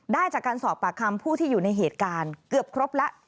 ได้จากการสอบปากคำผู้ที่อยู่ในเหตุการณ์เกือบครบแล้ว